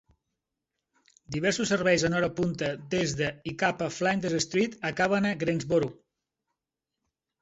Diversos serveis en hora punta des de i cap a Flinders Street acaben a Greensborough.